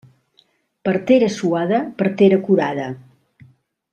Partera suada, partera curada.